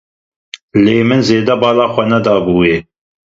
Lê min zêde bala xwe nedabû wê.